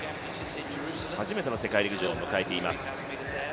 初めての世界陸上を迎えています。